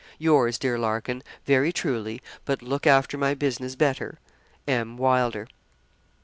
'Yours, dear Larkin, 'Very truly '(but look after my business better), 'M. WYLDER.'